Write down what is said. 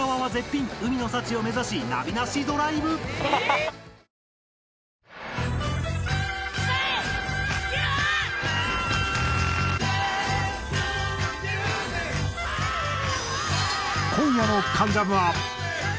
あー今夜の『関ジャム』は。